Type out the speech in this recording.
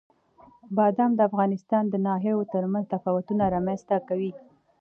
بادام د افغانستان د ناحیو ترمنځ تفاوتونه رامنځ ته کوي.